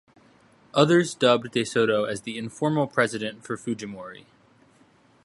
Others dubbed de Soto as the "informal president" for Fujimori.